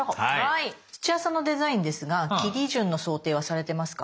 土屋さんのデザインですが切り順の想定はされてますか？